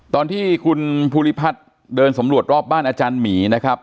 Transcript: ตอนที่คุณภูริพัฒน์เดินสำรวจรอบบ้านอาจารย์หมีนะครับ